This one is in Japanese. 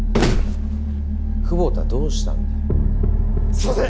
久保田どうしたんだよ。